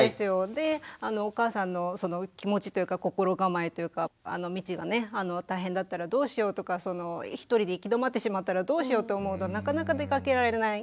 でお母さんのその気持ちというか心構えというか道が大変だったらどうしようとか一人で行き止まってしまったらどうしようって思うとなかなか出かけられない。